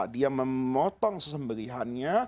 dia memotong sesembelihannya